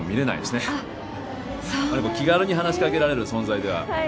なんか気軽に話しかけられる存在では。